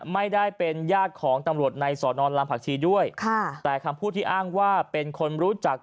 ไม่ได้เป็นญาติของตำรวจในสอนอนลำผักชีด้วยค่ะแต่คำพูดที่อ้างว่าเป็นคนรู้จัก